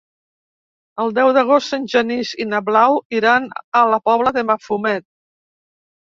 El deu d'agost en Genís i na Blau iran a la Pobla de Mafumet.